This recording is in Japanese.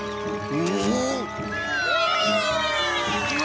うわ！